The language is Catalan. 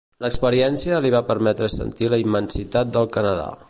L'experiència li va permetre sentir la immensitat del Canadà.